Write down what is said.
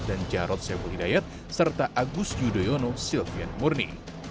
dan jarod sebul hidayat serta agus yudhoyono silvian murni